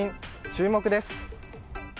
注目です。